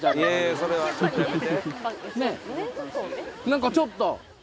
何かちょっと。